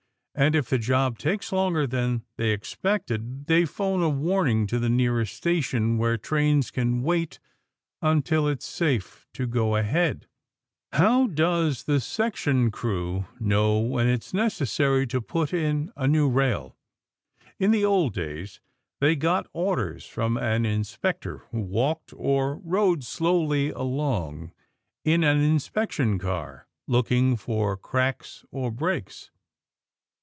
And if the job takes longer than they expected, they phone a warning to the nearest station where trains can wait until it's safe to go ahead. How does the section crew know when it is necessary to put in a new rail? In the old days, they got orders from an inspector who walked or rode slowly along in an inspection car, looking for cracks or breaks.